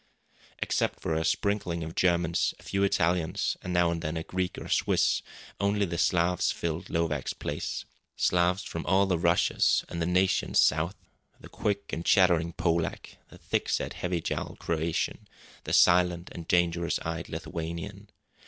Except for a sprinkling of Germans, a few Italians, and now and then a Greek or Swiss, only the Slavs filled Lovak's place! Slavs from all the Russias and the nations south: the quick and chattering Polak; the thick set, heavy jowled Croatian; the silent and dangerous eyed Lithuanian.